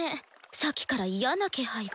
さっきから嫌な気配が。